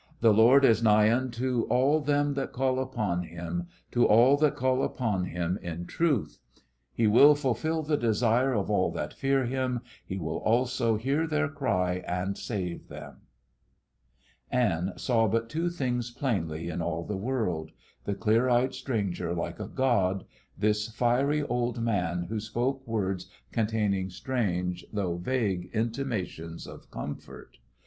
"'The Lord is nigh unto all them that call upon Him, to all that call upon Him in truth. "'He will fulfil the desire of all that fear Him: He also will hear their cry and save them.'" Anne saw but two things plainly in all the world the clear eyed stranger like a god; this fiery old man who spoke words containing strange, though vague, intimations of comfort.